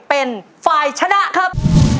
เป็นฝ่ายชนะครับ